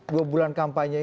dua bulan kampanye ini